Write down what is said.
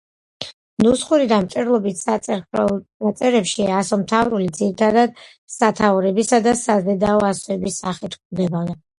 ნუსხური დამწერლობით ნაწერ ხელნაწერებში ასომთავრული ძირითადად სათაურებისა და საზედაო ასოების სახით გვხვდება.